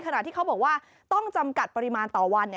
ขณะที่เขาบอกว่าต้องจำกัดปริมาณต่อวัน